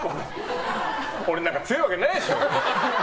俺なんか強いわけないでしょ。